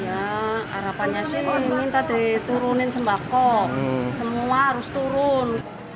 ya harapannya sih minta diturunin sembako semua harus turun